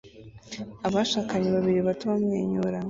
Abashakanye bakiri bato bamwenyura